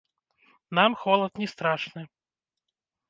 Нам холад не страшны.